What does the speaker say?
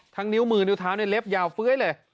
นิ้วมือนิ้วเท้าในเล็บยาวเฟ้ยเลย